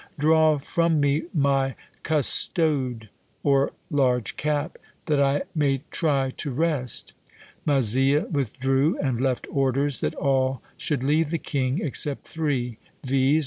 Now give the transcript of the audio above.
Draw from me my custode (or large cap), that I may try to rest.' Mazzille withdrew, and left orders that all should leave the king except three, viz.